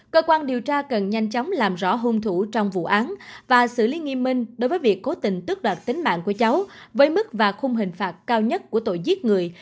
cơ quan điều tra cần nhanh chóng làm rõ hung thủ trong vụ án và xử lý nghiêm minh đối với việc cố tình tước đoạt tính mạng của cháu với mức và khung hình phạt cao nhất của tội giết người